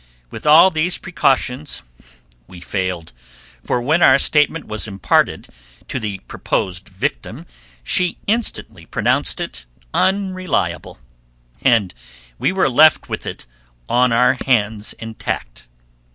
With all these precautions we failed, for when our statement was imparted to the proposed victim she instantly pronounced it unreliable, and we were left with it on our hands intact.